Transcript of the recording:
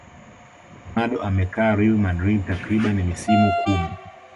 ronaldo amekaa real madrid takriban misimu kumi